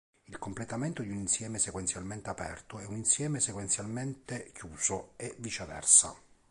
Il complemento di un insieme sequenzialmente aperto è un insieme sequenzialmente chiuso, e vice-versa.